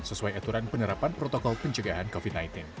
sesuai aturan penerapan protokol pencegahan covid sembilan belas